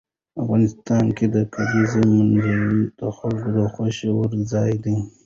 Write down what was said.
افغانستان کې د کلیزو منظره د خلکو د خوښې وړ ځای دی.